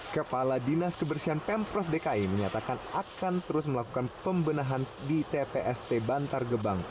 kepala dinas kebersihan pemprov dki menyatakan akan terus melakukan pembenahan di tpst bantar gebang